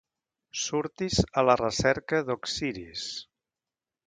Surtis a la recerca d'Oxiris.